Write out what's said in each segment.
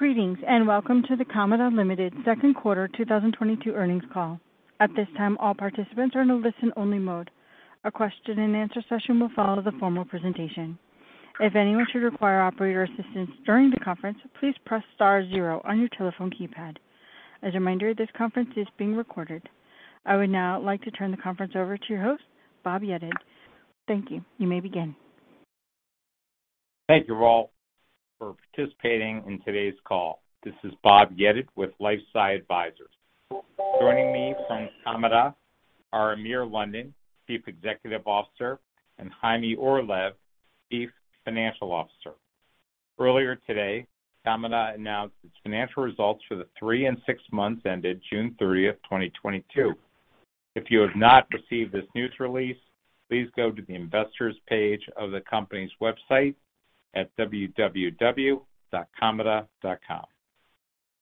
Greetings, and welcome to the Kamada Ltd. Second Quarter 2022 Earnings Call. At this time, all participants are in a listen-only mode. A question and answer session will follow the formal presentation. If anyone should require operator assistance during the conference, please press star zero on your telephone keypad. As a reminder, this conference is being recorded. I would now like to turn the conference over to your host, Bob Yedid. Thank you. You may begin. Thank you all for participating in today's call. This is Bob Yedid with LifeSci Advisors. Joining me from Kamada are Amir London, Chief Executive Officer, and Chaime Orlev, Chief Financial Officer. Earlier today, Kamada announced its financial results for the three and six months ended June 30th, 2022. If you have not received this news release, please go to the investors page of the company's website at www.kamada.com.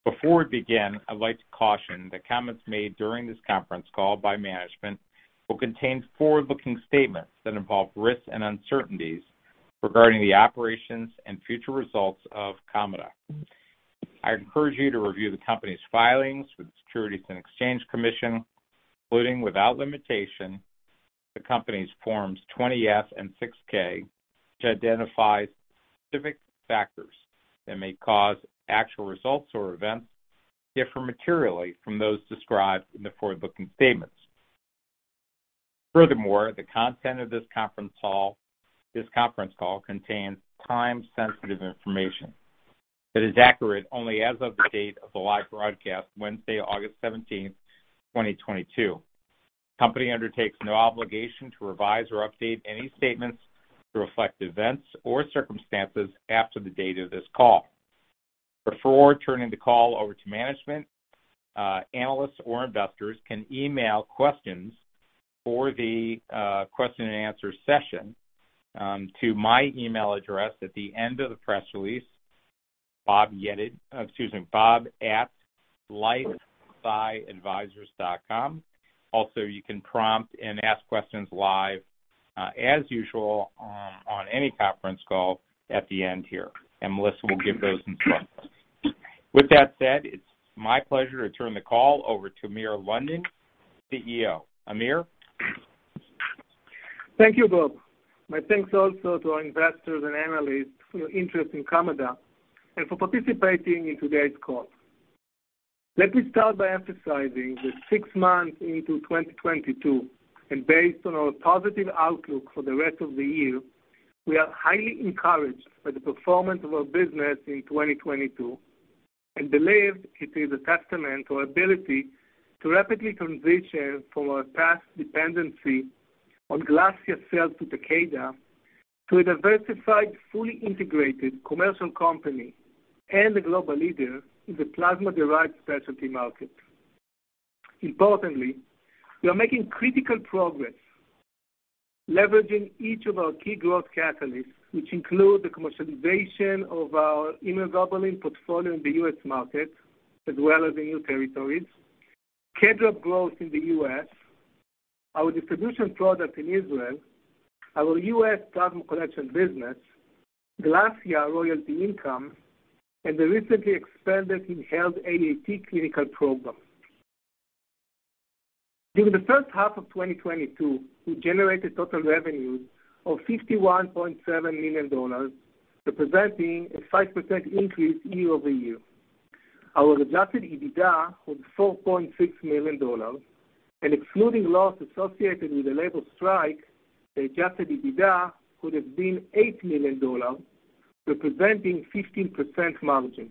Before we begin, I'd like to caution that comments made during this conference call by management will contain forward-looking statements that involve risks and uncertainties regarding the operations and future results of Kamada. I encourage you to review the company's filings with the Securities and Exchange Commission, including without limitation, the company's Forms 20-F and 6-K, which identifies specific factors that may cause actual results or events to differ materially from those described in the forward-looking statements. Furthermore, the content of this conference call contains time-sensitive information that is accurate only as of the date of the live broadcast, Wednesday, August 17, 2022. Company undertakes no obligation to revise or update any statements to reflect events or circumstances after the date of this call. Before turning the call over to management, analysts or investors can email questions for the question and answer session to my email address at the end of the press release, Bob Yedid, excuse me, bob@lifesciadvisors.com. Also, you can prompt and ask questions live as usual on any conference call at the end here, and Melissa will give those instructions. With that said, it's my pleasure to turn the call over to Amir London, CEO. Amir? Thank you, Bob. My thanks also to our investors and analysts for your interest in Kamada and for participating in today's call. Let me start by emphasizing that six months into 2022, and based on our positive outlook for the rest of the year, we are highly encouraged by the performance of our business in 2022 and believe it is a testament to our ability to rapidly transition from our past dependency on GLASSIA sales to Takeda to a diversified, fully integrated commercial company and a global leader in the plasma-derived specialty market. Importantly, we are making critical progress leveraging each of our key growth catalysts, which include the commercialization of our immunoglobulin portfolio in the U.S. market, as well as in new territories, KEDRAB growth in the U.S., our distribution product in Israel, our U.S. plasma collection business, GLASSIA royalty income, and the recently expanded inhaled AAT clinical program. During the first half of 2022, we generated total revenues of $51.7 million, representing a 5% increase year-over-year. Our adjusted EBITDA was $4.6 million. Excluding loss associated with the labor strike, the adjusted EBITDA could have been $8 million, representing 15% margin.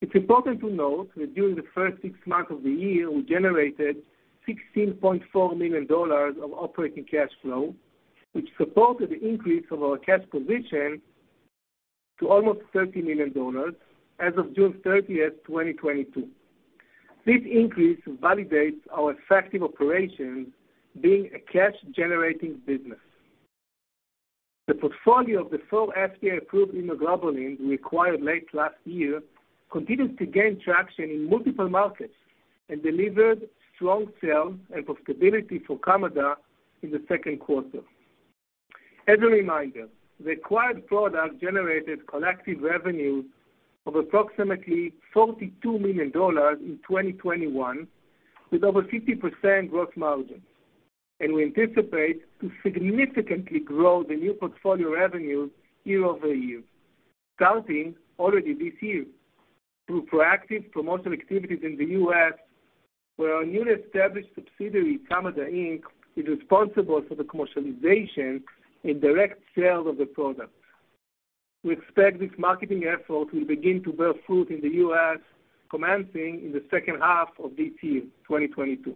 It's important to note that during the first six months of the year, we generated $16.4 million of operating cash flow, which supported the increase of our cash position to almost $30 million as of June 30, 2022. This increase validates our effective operations being a cash-generating business. The portfolio of the four FDA-approved immunoglobulins we acquired late last year continued to gain traction in multiple markets and delivered strong sales and profitability for Kamada in the second quarter. As a reminder, the acquired product generated collective revenues of approximately $42 million in 2021 with over 50% growth margin. We anticipate to significantly grow the new portfolio revenues year-over-year, starting already this year through proactive promotional activities in the U.S., where our newly established subsidiary, Kamada Inc., is responsible for the commercialization and direct sales of the product. We expect this marketing effort will begin to bear fruit in the U.S., commencing in the second half of this year, 2022.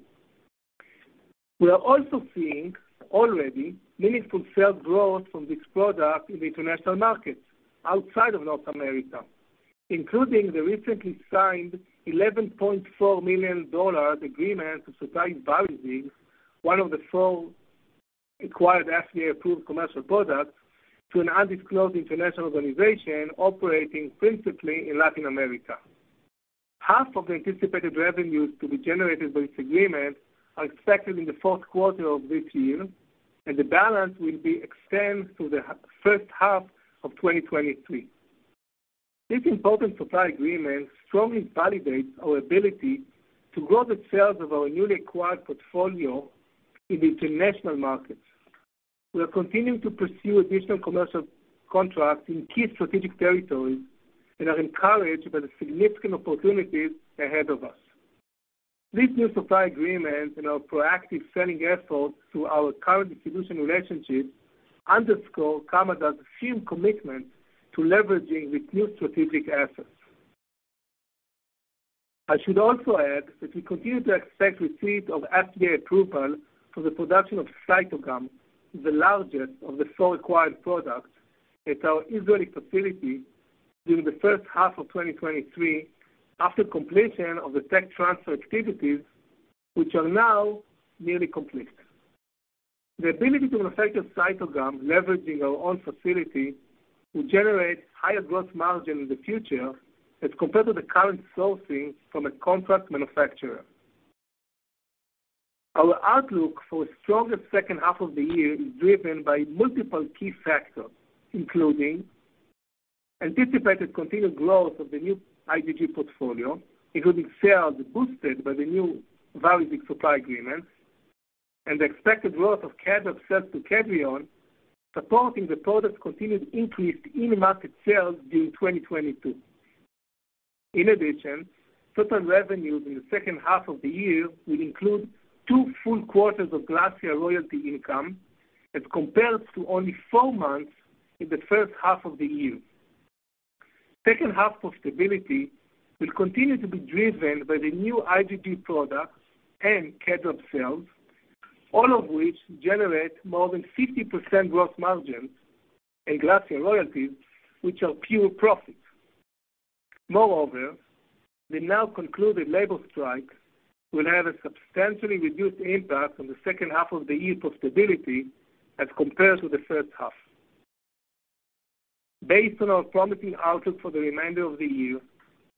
We are also seeing already meaningful sales growth from this product in the international markets outside of North America, including the recently signed $11.4 million agreement to supply VARIZIG, one of the four acquired FDA-approved commercial products, to an undisclosed international organization operating principally in Latin America. Half of the anticipated revenues to be generated by this agreement are expected in the fourth quarter of this year, and the balance will be expected in the first half of 2023. This important supply agreement strongly validates our ability to grow the sales of our newly acquired portfolio in the international markets. We are continuing to pursue additional commercial contracts in key strategic territories and are encouraged by the significant opportunities ahead of us. This new supply agreement and our proactive selling efforts through our current distribution relationships underscore Kamada's firm commitment to leveraging these new strategic assets. I should also add that we continue to expect receipt of FDA approval for the production of CYTOGAM, the largest of the four acquired products, at our Israeli facility during the first half of 2023 after completion of the tech transfer activities, which are now nearly complete. The ability to manufacture CYTOGAM leveraging our own facility will generate higher gross margin in the future as compared to the current sourcing from a contract manufacturer. Our outlook for a stronger second half-of-the-year is driven by multiple key factors, including anticipated continued growth of the new IVIG portfolio, including sales boosted by the new VARIZIG supply agreements and the expected growth of KEDRAB sales to Kedrion, supporting the product's continued increase in market sales during 2022. In addition, total revenues in the second half of the year will include two full quarters of GLASSIA royalty income as compared to only four months in the first half of the year. Second half profitability will continue to be driven by the new IVIG products and KEDRAB sales, all of which generate more than 50% gross margins and GLASSIA royalties, which are pure profit. Moreover, the now concluded labor strike will have a substantially reduced impact on the second half of the year profitability as compared to the first half. Based on our promising outlook for the remainder of the year,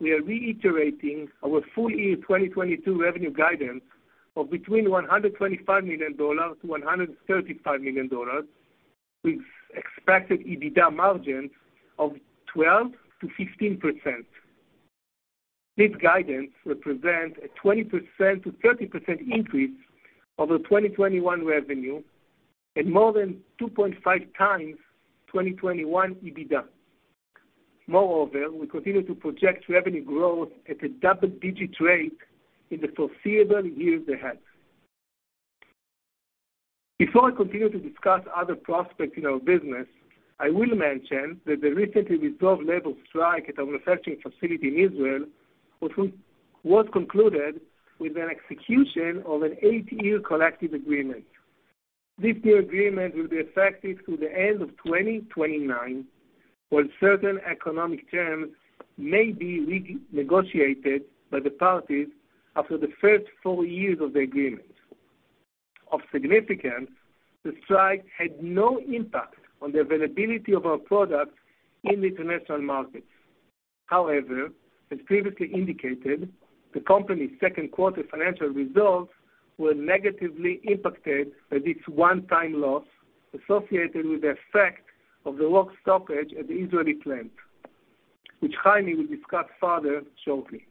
we are reiterating our full year 2022 revenue guidance of between $125 million-$135 million, with expected EBITDA margins of 12%-16%. This guidance represents a 20%-30% increase over 2021 revenue and more than 2.5 times 2021 EBITDA. Moreover, we continue to project revenue growth at a double-digit rate in the foreseeable years ahead. Before I continue to discuss other prospects in our business, I will mention that the recently resolved labor strike at our manufacturing facility in Israel was concluded with an execution of an eight-year collective agreement. This new agreement will be effective through the end of 2029, while certain economic terms may be renegotiated by the parties after the first four years of the agreement. Of significance, the strike had no impact on the availability of our products in the international markets. However, as previously indicated, the company's second quarter financial results were negatively impacted by this one-time loss associated with the effect of the work stoppage at the Israeli plant, which Chaime will discuss further shortly.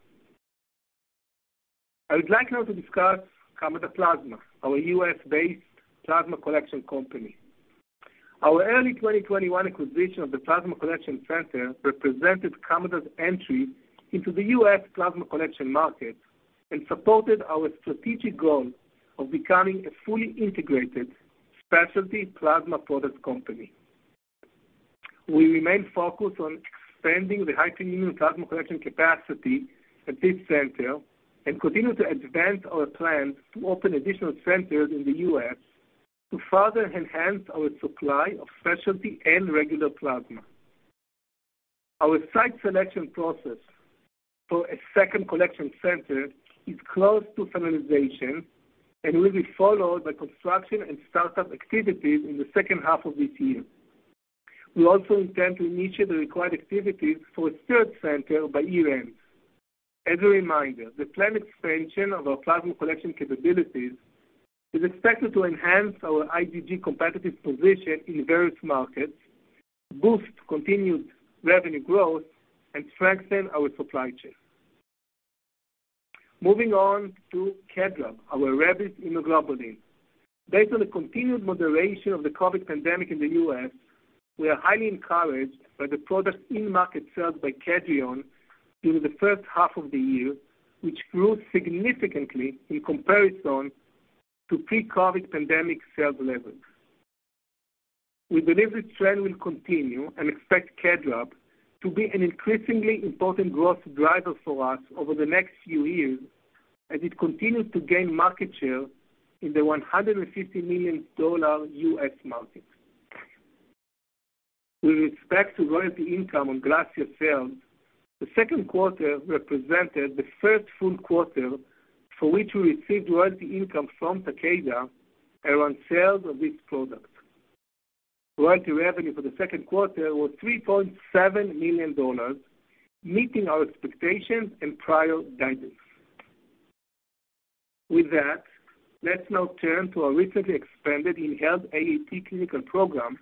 I would like now to discuss Kamada Plasma, our U.S.-based plasma collection company. Our early 2021 acquisition of the plasma collection center represented Kamada's entry into the U.S. plasma collection market and supported our strategic goal of becoming a fully integrated specialty plasma product company. We remain focused on expanding the high-volume plasma collection capacity at this center and continue to advance our plans to open additional centers in the U.S. to further enhance our supply of specialty and regular plasma. Our site selection process for a second collection center is close to finalization and will be followed by construction and startup activities in the second half of this year. We also intend to initiate the required activities for a third center by year-end. As a reminder, the planned expansion of our plasma collection capabilities is expected to enhance our IVIG competitive position in various markets, boost continued revenue growth, and strengthen our supply chain. Moving on to KEDRAB, our rabbit immunoglobulin. Based on the continued moderation of the COVID pandemic in the U.S., we are highly encouraged by the product's in-market sales by Kedrion during the first half of the year, which grew significantly in comparison to pre-COVID pandemic sales levels. We believe this trend will continue and expect KEDRAB to be an increasingly important growth driver for us over the next few years as it continues to gain market share in the $150 million U.S. market. With respect to royalty income on GLASSIA sales, the second quarter represented the first full quarter for which we received royalty income from Takeda around sales of this product. Royalty revenue for the second quarter was $3.7 million, meeting our expectations and prior guidance. With that, let's now turn to our recently expanded inhaled AAT clinical program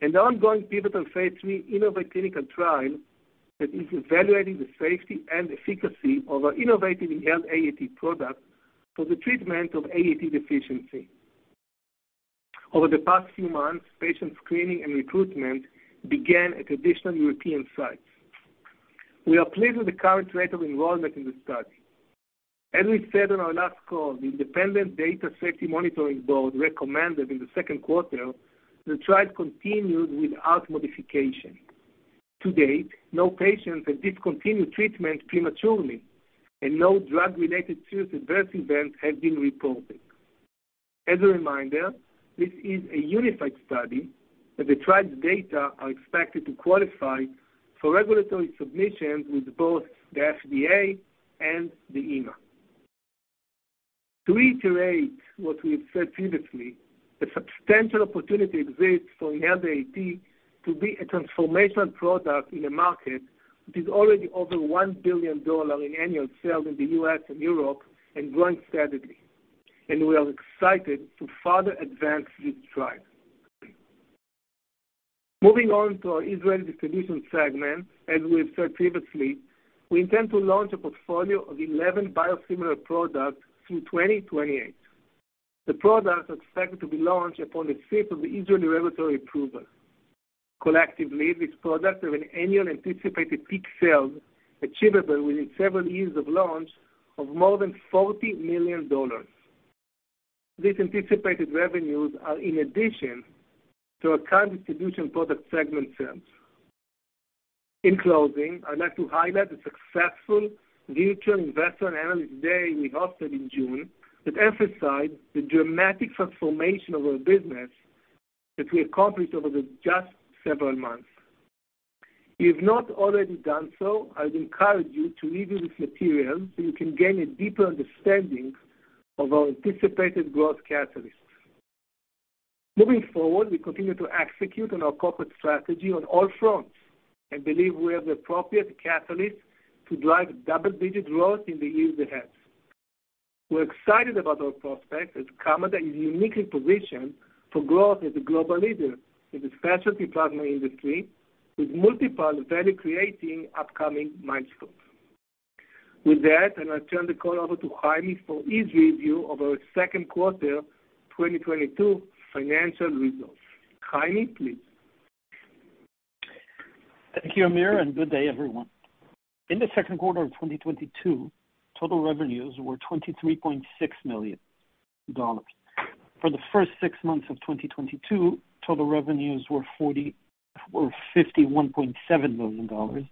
and the ongoing pivotal phase 3 InnovAATe clinical trial that is evaluating the safety and efficacy of our inhaled AAT product for the treatment of AAT deficiency. Over the past few months, patient screening and recruitment began at additional European sites. We are pleased with the current rate of enrollment in the study. As we said on our last call, the independent Data Safety Monitoring Board recommended in the second quarter the trial continued without modification. To date, no patients have discontinued treatment prematurely, and no drug-related serious adverse events have been reported. As a reminder, this is a unified study that the trial's data are expected to qualify for regulatory submissions with both the FDA and the EMA. To reiterate what we have said previously, a substantial opportunity exists for inhaled AAT to be a transformational product in a market that is already over $1 billion in annual sales in the U.S. and Europe and growing steadily. We are excited to further advance this trial. Moving on to our Israeli distribution segment. As we have said previously, we intend to launch a portfolio of 11 biosimilar products through 2028. The products are expected to be launched upon receipt of the Israeli regulatory approval. Collectively, these products have an annual anticipated peak sales achievable within several years of launch of more than $40 million. These anticipated revenues are in addition to our current distribution product segment sales. In closing, I'd like to highlight the successful virtual Investor and Analyst Day we hosted in June that emphasized the dramatic transformation of our business that we accomplished over the just several months. If you've not already done so, I would encourage you to review this material so you can gain a deeper understanding of our anticipated growth catalysts. Moving forward, we continue to execute on our corporate strategy on all fronts and believe we have the appropriate catalysts to drive double-digit growth in the years ahead. We're excited about our prospects as Kamada is uniquely positioned for growth as a global leader in the specialty plasma industry with multiple value-creating upcoming milestones. With that, I now turn the call over to Chaime for his review of our second quarter 2022 financial results. Chaime, please. Thank you, Amir, and good day, everyone. In the second quarter of 2022, total revenues were $23.6 million. For the first six months of 2022, total revenues were fifty-one point seven million dollars,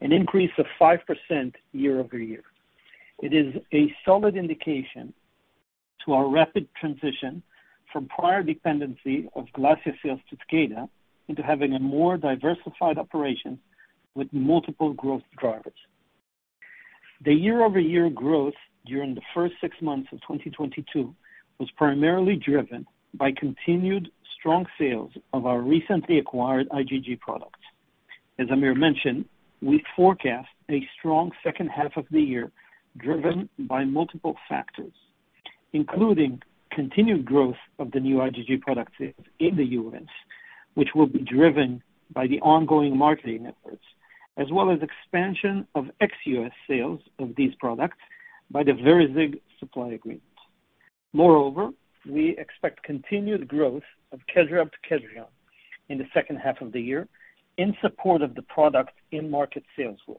an increase of 5% year-over-year. It is a solid indication to our rapid transition from prior dependency of GLASSIA sales to Takeda into having a more diversified operation with multiple growth drivers. The year-over-year growth during the first six months of 2022 was primarily driven by continued strong sales of our recently acquired IgG products. As Amir mentioned, we forecast a strong second half of the year, driven by multiple factors, including continued growth of the new IgG product sales in the U.S., which will be driven by the ongoing marketing efforts as well as expansion of ex-US sales of these products by the VARIZIG supply agreement. Moreover, we expect continued growth of KEDRAB and KAMRAB in the second half of the year in support of the product in-market sales growth.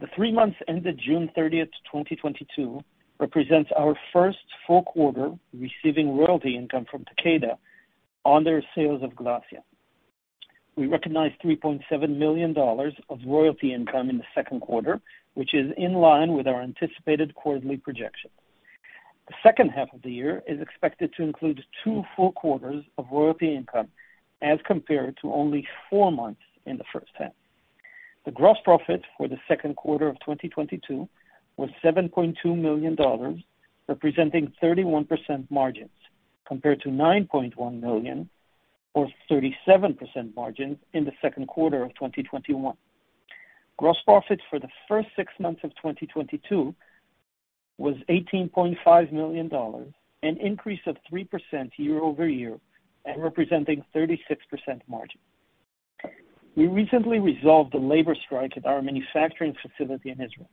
The three months ended June thirtieth, 2022, represents our first full-quarter receiving royalty income from Takeda on their sales of GLASSIA. We recognized $3.7 million of royalty income in the second quarter, which is in line with our anticipated quarterly projections. The second half of the year is expected to include two full-quarters of royalty income as compared to only four months in the first half. The gross profit for the second quarter of 2022 was $7.2 million, representing 31% margins, compared to $9.1 million or 37% margins in the second quarter of 2021. Gross profit for the first six months of 2022 was $18.5 million, an increase of 3% year-over-year and representing 36% margin. We recently resolved a labor strike at our manufacturing facility in Israel.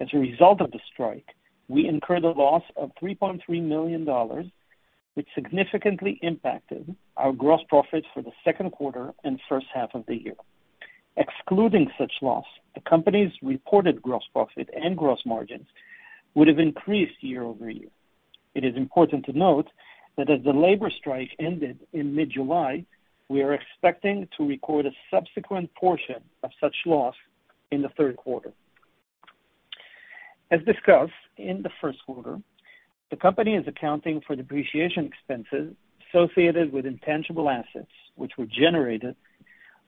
As a result of the strike, we incurred a loss of $3.3 million, which significantly impacted our gross profits for the second quarter and first half of the year. Excluding such loss, the company's reported gross profit and gross margins would have increased year-over-year. It is important to note that as the labor strike ended in mid-July, we are expecting to record a subsequent portion of such loss in the third quarter. As discussed in the first quarter, the company is accounting for depreciation expenses associated with intangible assets, which were generated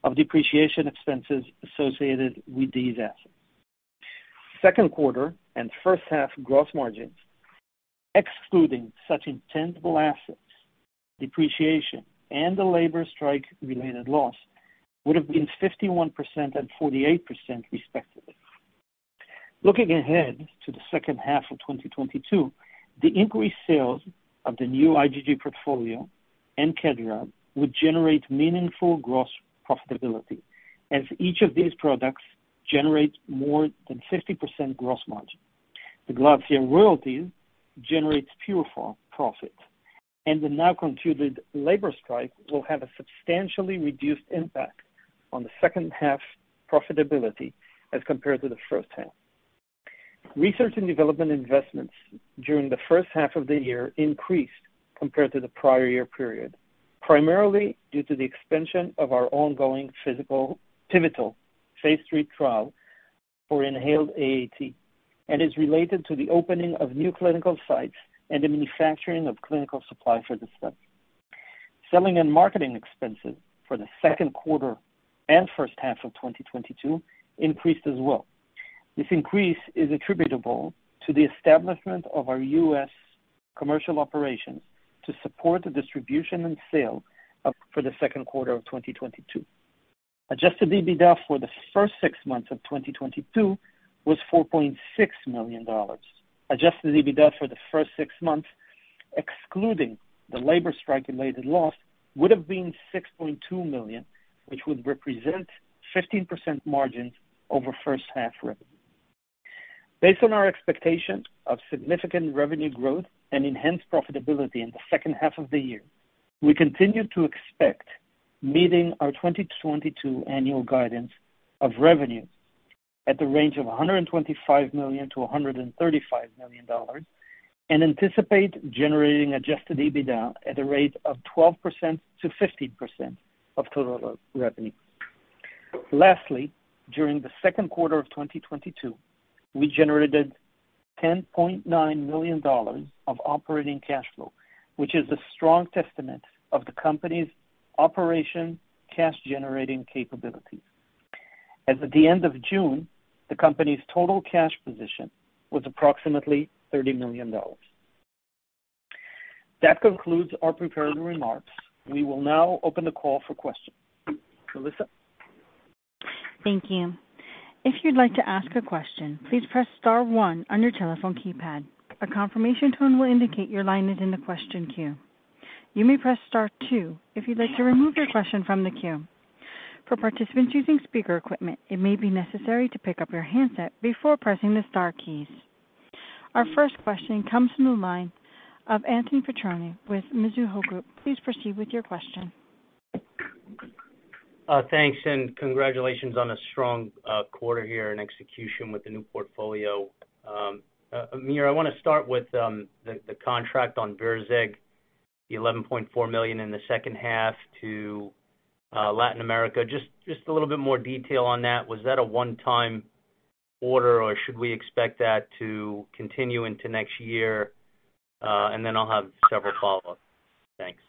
of depreciation expenses associated with these assets. Second quarter and first half gross margins, excluding such intangible assets, depreciation and the labor strike-related loss would have been 51% and 48% respectively. Looking ahead to the second half of 2022, the increased sales of the new IgG portfolio and KEDRAB will generate meaningful gross profitability as each of these products generate more than 50% gross margin. The GLASSIA royalties generates pure profit, and the now concluded labor strike will have a substantially reduced impact on the second half profitability as compared to the first half. Research and development investments during the first half of the year increased compared to the prior year period, primarily due to the expansion of our ongoing clinical pivotal phase 3 trial for inhaled AAT, and is related to the opening of new clinical sites and the manufacturing of clinical supply for the study. Selling and marketing expenses for the second quarter and first half of 2022 increased as well. This increase is attributable to the establishment of our U.S. commercial operations to support the distribution and sale for the second quarter of 2022. Adjusted EBITDA for the first six months of 2022 was $4.6 million. Adjusted EBITDA for the first six months, excluding the labor strike-related loss, would have been $6.2 million, which would represent 15% margins over first half revenue. Based on our expectation of significant revenue growth and enhanced profitability in the second half of the year, we continue to expect meeting our 2022 annual guidance of revenue in the range of $125 million-$135 million and anticipate generating adjusted EBITDA at a rate of 12%-15% of total revenue. Lastly, during the second quarter of 2022, we generated $10.9 million of operating cash flow, which is a strong testament of the company's operational cash generating capabilities. As at the end of June, the company's total cash position was approximately $30 million. That concludes our prepared remarks. We will now open the call for questions. Melissa? Thank you. If you'd like to ask a question, please press star one on your telephone keypad. A confirmation tone will indicate your line is in the question queue. You may press star two if you'd like to remove your question from the queue. For participants using speaker equipment, it may be necessary to pick up your handset before pressing the star keys. Our first question comes from the line of Anthony Petrone with Mizuho Group. Please proceed with your question. Thanks and congratulations on a strong quarter here and execution with the new portfolio. Amir, I wanna start with the contract on VARIZIG, the $11.4 million in the second half to Latin America. Just a little bit more detail on that. Was that a one-time order or should we expect that to continue into next year? Then I'll have several follow-ups. Thanks.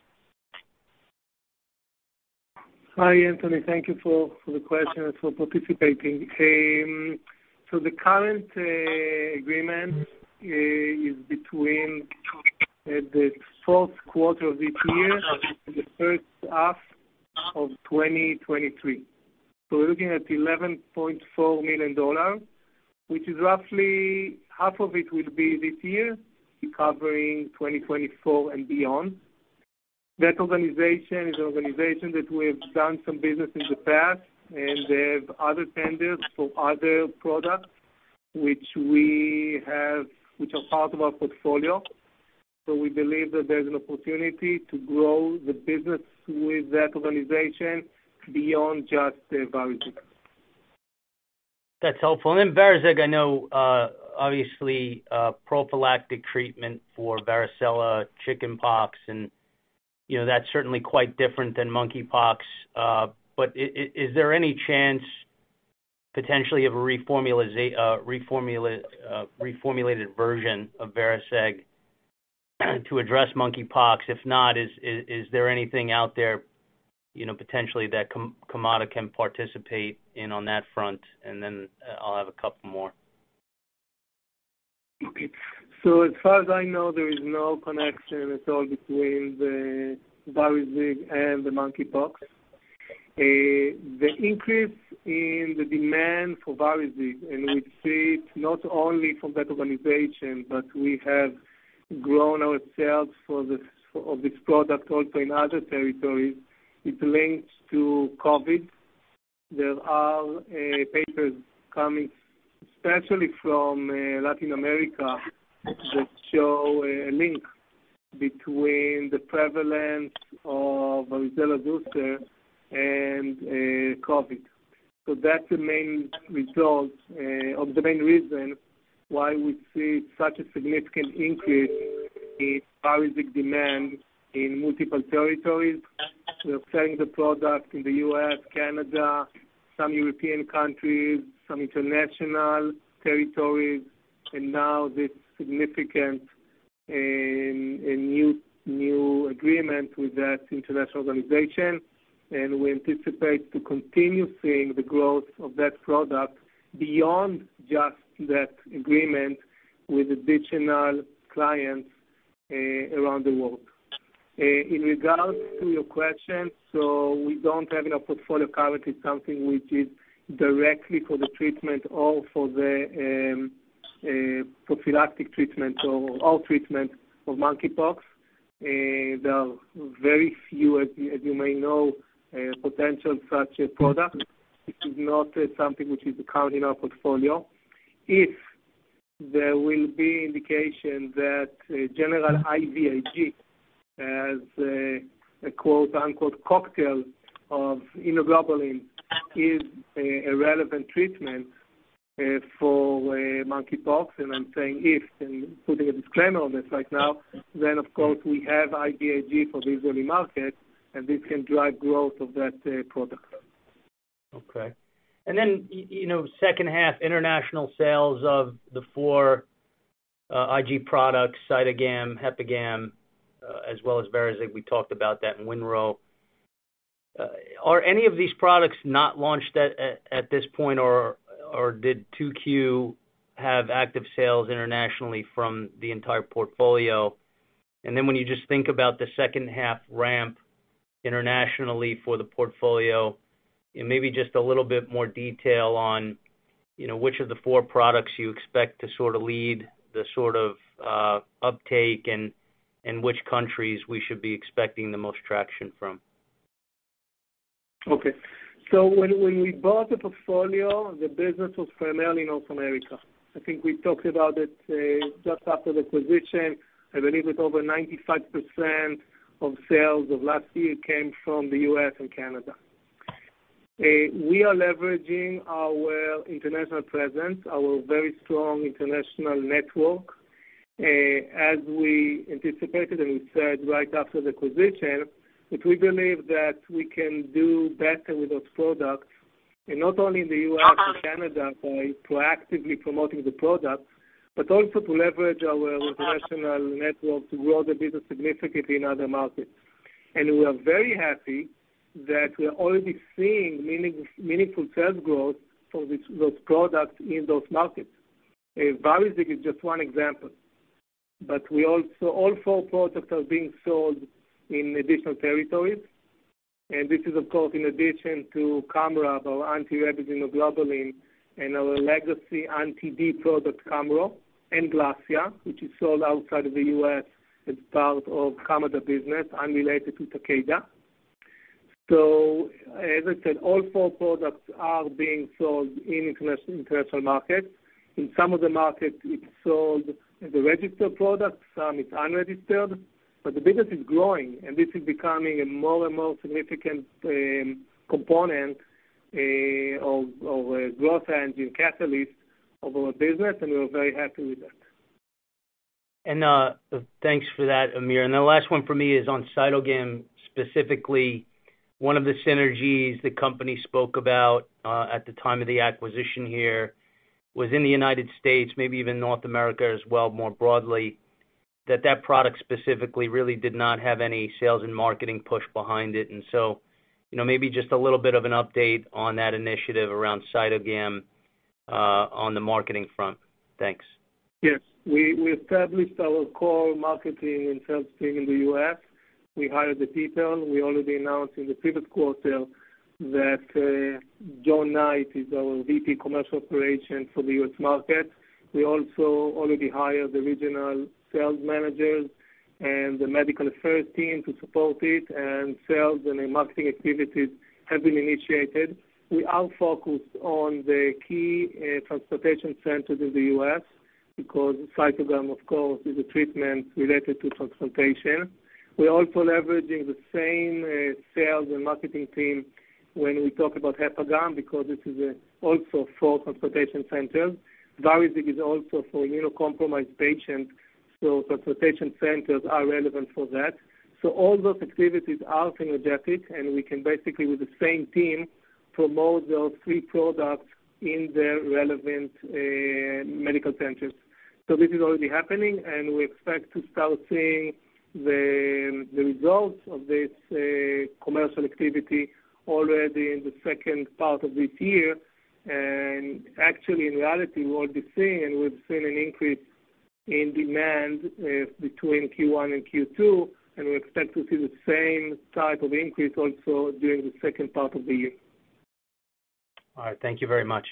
Hi, Anthony. Thank you for the question and for participating. The current agreement is between the fourth quarter of this year and the first-half of 2023. We're looking at $11.4 million, which is roughly half of it will be this year, covering 2024 and beyond. That organization is one that we have done some business in the past, and they have other tenders for other products which are part of our portfolio. We believe that there's an opportunity to grow the business with that organization beyond just VARIZIG. That's helpful. VARIZIG, I know, obviously, prophylactic treatment for varicella chickenpox and, you know, that's certainly quite different than monkeypox. But is there any chance potentially of a reformulated version of VARIZIG to address monkeypox? If not, is there anything out there, you know, potentially that Kamada can participate in on that front? I'll have a couple more. Okay. As far as I know, there is no connection at all between the VARIZIG and the monkeypox. The increase in the demand for VARIZIG, and we see it not only from that organization, but we have grown ourselves for this product also in other territories. It links to COVID. There are papers coming, especially from Latin America, that show a link between the prevalence of varicella booster and COVID. That's the main reason why we see such a significant increase in VARIZIG demand in multiple territories. We are selling the product in the U.S., Canada, some European countries, some international territories. Now this significant and new agreement with that international organization. We anticipate to continue seeing the growth of that product beyond just that agreement with additional clients around the world. In regards to your question, we don't have in our portfolio currently something which is directly for the treatment or for the prophylactic treatment or/and all treatment for monkeypox. There are very few, as you may know, potential such a product. This is not something which is currently in our portfolio. If there will be indication that general IVIG has a quote-unquote "cocktail" of immunoglobulin is a relevant treatment for monkeypox, and I'm saying if, and putting a disclaimer on this right now, then of course we have IVIG for the Israeli market, and this can drive growth of that product. Okay. You know, second half international sales of the four IG products, CYTOGAM, HepaGam B, as well as VARIZIG, we talked about that and WinRho. Are any of these products not launched at this point or did 2Q have active sales internationally from the entire portfolio? When you just think about the second half ramp internationally for the portfolio, and maybe just a little bit more detail on, you know, which of the four products you expect to sort of lead the uptake and which countries we should be expecting the most traction from. Okay. When we bought the portfolio, the business was primarily North America. I think we talked about it just after the acquisition. I believe it's over 95% of sales of last year came from the U.S. and Canada. We are leveraging our international presence, our very strong international network. As we anticipated and we said right after the acquisition, that we believe that we can do better with those products, and not only in the U.S. and Canada by proactively promoting the product, but also to leverage our international network to grow the business significantly in other markets. We are very happy that we are already seeing meaningful sales growth from which those products in those markets. VARIZIG is just one example. We also all four products are being sold in additional territories. This is of course in addition to KAMRAB, our anti-rabies immunoglobulin, and our legacy anti-D product, KamRho, and GLASSIA, which is sold outside of the U.S. as part of Kamada business, unrelated to Takeda. As I said, all four products are being sold in international markets. In some of the markets, it's sold as a registered product, some it's unregistered. The business is growing, and this is becoming a more and more significant component of a growth engine catalyst of our business, and we're very happy with that. Thanks for that, Amir. The last one for me is on CYTOGAM, specifically, one of the synergies the company spoke about at the time of the acquisition here was in the United States, maybe even North America as well, more broadly. That product specifically really did not have any sales and marketing push behind it. You know, maybe just a little bit of an update on that initiative around CYTOGAM on the marketing front. Thanks. Yes. We established our core marketing and sales team in the U.S. We hired the people. We already announced in the previous quarter that Jon R. Knight is our Vice President, U.S. Commercial Operations for the U.S. market. We also already hired the regional sales managers and the medical affairs team to support it, and sales and the marketing activities have been initiated. We are focused on the key transplantation centers in the U.S. because CYTOGAM, of course, is a treatment related to transplantation. We're also leveraging the same sales and marketing team when we talk about HepaGam B, because this is also for transplantation centers. VARIZIG is also for immunocompromised patients, so transplantation centers are relevant for that. All those activities are synergistic, and we can basically with the same team promote those three products in their relevant medical centers. This is already happening, and we expect to start seeing the results of this commercial activity already in the second part of this year. Actually, in reality, we're already seeing, and we've seen an increase in demand between Q1 and Q2, and we expect to see the same type of increase also during the second part of the year. All right. Thank you very much.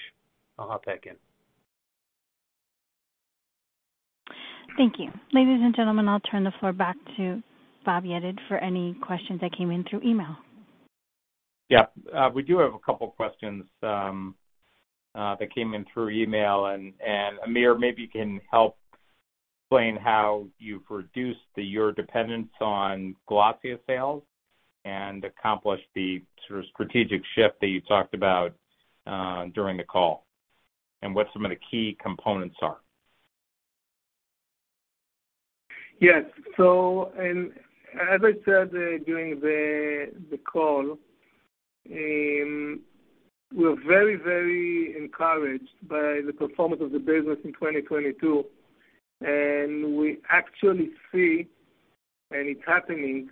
I'll hop back in. Thank you. Ladies and gentlemen, I'll turn the floor back to Bob Yedid for any questions that came in through email. Yeah. We do have a couple questions that came in through email and Amir, maybe you can help explain how you've reduced your dependence on GLASSIA sales and accomplished the sort of strategic shift that you talked about during the call, and what some of the key components are. Yes. As I said, during the call, we're very, very encouraged by the performance of the business in 2022. We actually see, and it's happening,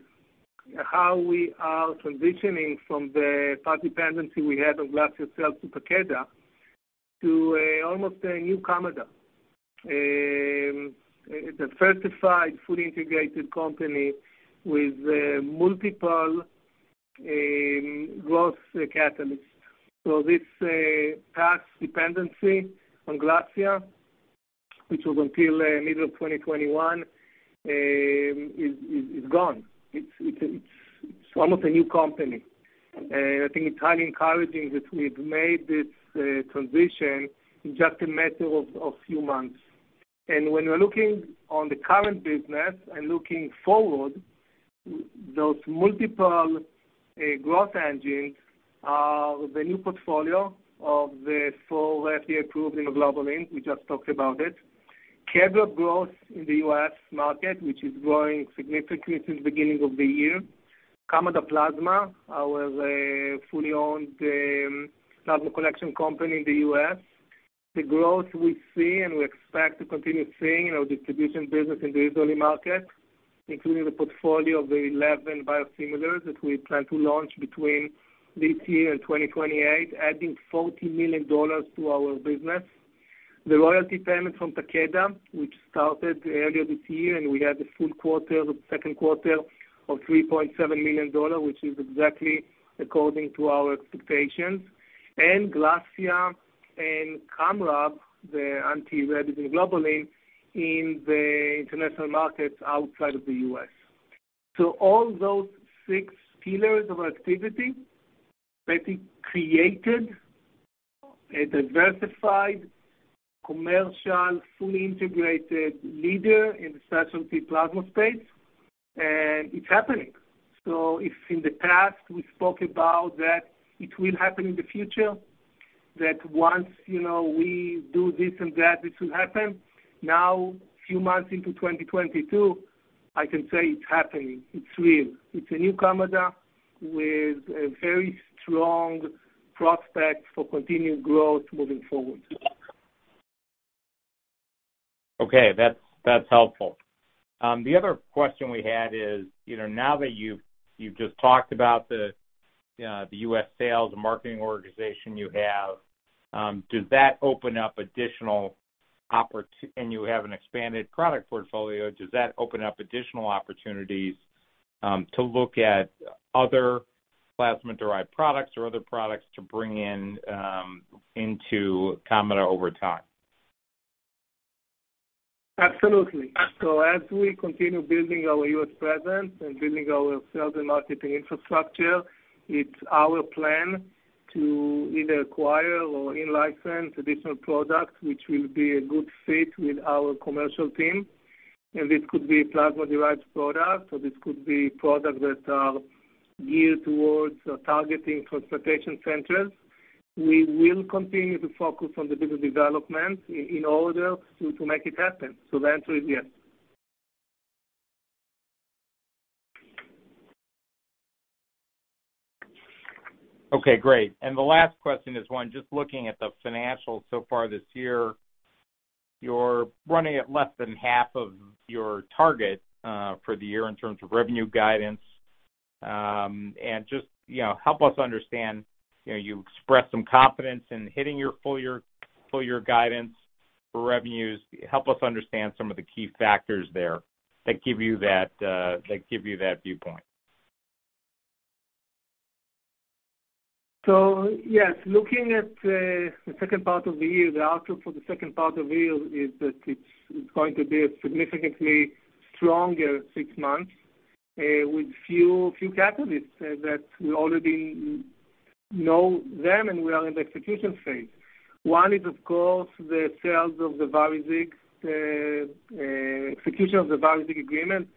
how we are transitioning from the past dependency we had on GLASSIA sales to Takeda to almost a new Kamada. It's a diversified, fully integrated company with multiple growth catalysts. This past dependency on GLASSIA, which was until middle of 2021, is gone. It's almost a new company. I think it's highly encouraging that we've made this transition in just a matter of few months. When we're looking on the current business and looking forward, those multiple growth engines are the new portfolio of the four FDA-approved immunoglobulin. We just talked about it. KEDRAB growth in the US market, which is growing significantly since the beginning of the year. Kamada Plasma, our fully-owned plasma collection company in the US. The growth we see and we expect to continue seeing our distribution business in the Israeli market, including the portfolio of the 11 biosimilars that we plan to launch between this year and 2028, adding $40 million to our business. The royalty payments from Takeda, which started earlier this year, and we had the full-quarter, the second quarter of $3.7 million, which is exactly according to our expectations. GLASSIA and KAMRHO, the anti-D immunoglobulin in the international markets outside of the US. All those six pillars of activity basically created a diversified commercial, fully integrated leader in the specialty plasma space, and it's happening. If in the past we spoke about that it will happen in the future, that once, you know, we do this and that, this will happen, now, few months into 2022, I can say it's happening. It's real. It's a new Kamada with a very strong prospect for continued growth moving forward. Okay. That's helpful. The other question we had is, you know, now that you've just talked about the U.S. sales and marketing organization you have, does that open up additional opportunities, and you have an expanded product portfolio, does that open up additional opportunities to look at other plasma-derived products or other products to bring in into Kamada over time? Absolutely. As we continue building our U.S. presence and building our sales and marketing infrastructure, it's our plan to either acquire or in-license additional products which will be a good fit with our commercial team. This could be plasma-derived products, or this could be products that are geared towards targeting transplantation centers. We will continue to focus on the business development in order to make it happen. The answer is yes. Okay, great. The last question is one, just looking at the financials so far this year, you're running at less than half of your target for the year in terms of revenue guidance. Just, you know, help us understand, you know, you expressed some confidence in hitting your full-year guidance for revenues. Help us understand some of the key factors there that give you that viewpoint. Looking at the second part of the year, the outlook for the second part of the year is that it's going to be a significantly stronger six months with few catalysts that we already know and we are in the execution phase. One is, of course, the sales of VARIZIG, execution of the VARIZIG agreement.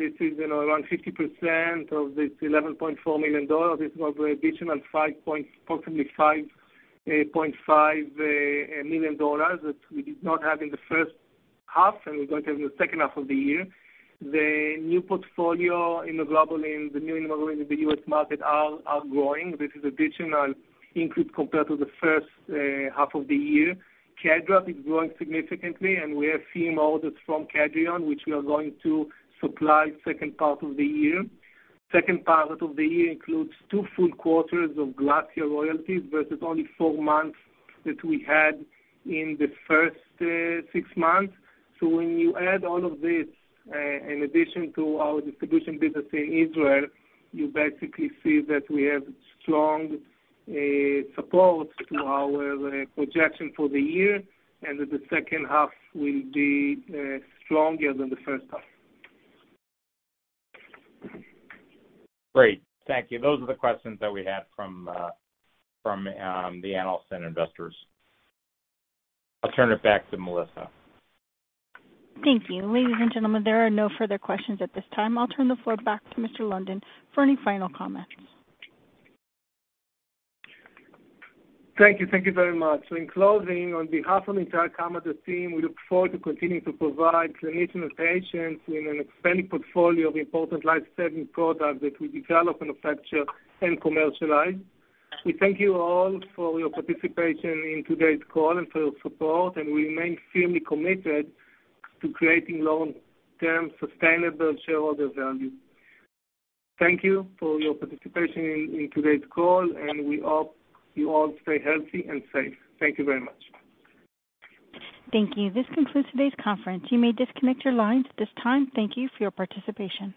This is, you know, around 50% of this $11.4 million. This was additional five point five million dollars that we did not have in the first half, and we're going to have in the second half of the year. The new portfolio immunoglobulins, the new immunoglobulins in the U.S. market, are growing. This is additional increase compared to the first half of the year. KEDRAB is growing significantly, and we are seeing orders from Kedrion, which we are going to supply second part of the year. Second part of the year includes two full-quarters of GLASSIA royalties versus only four months that we had in the first six months. When you add all of this, in addition to our distribution business in Israel, you basically see that we have strong support to our projection for the year, and that the second half will be stronger than the first half. Great. Thank you. Those are the questions that we had from the analysts and investors. I'll turn it back to Melissa. Thank you. Ladies and gentlemen, there are no further questions at this time. I'll turn the floor back to Mr. London for any final comments. Thank you. Thank you very much. In closing, on behalf of the entire Kamada team, we look forward to continuing to provide clinicians and patients with an expanded portfolio of important life-saving products that we develop and manufacture and commercialize. We thank you all for your participation in today's call and for your support, and we remain firmly committed to creating long-term sustainable shareholder value. Thank you for your participation in today's call, and we hope you all stay healthy and safe. Thank you very much. Thank you. This concludes today's conference. You may disconnect your lines at this time. Thank you for your participation.